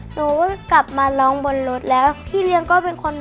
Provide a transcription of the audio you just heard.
หนูกลับมาร้องบนรถแล้วพี่เลี้ยงก็เป็นคน